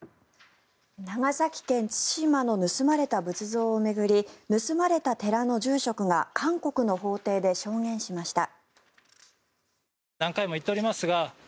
長崎県・対馬の盗まれた仏像を巡り盗まれた寺の住職が韓国の法廷で証言しました。